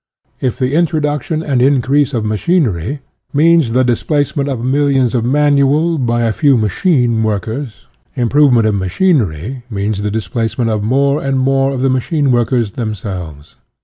If the introduction and increase of machinery means the displacement of millions of man ual, by a few machine workers, improve ment in machinery means the displacement of more and more of the machine workers themselves.